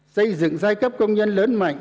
xây dựng giai cấp công nhân lớn mạnh